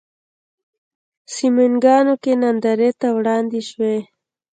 سینماګانو کې نندارې ته وړاندې شوی.